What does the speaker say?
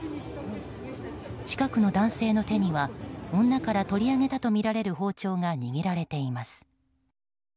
近くの男性の手には女から取り上げたとみられる包丁が握られています。